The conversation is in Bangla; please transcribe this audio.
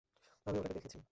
আমি ওটাকে দেখেছি!